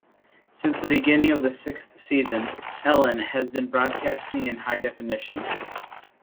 Since the beginning of the sixth season, "Ellen" has been broadcast in high definition.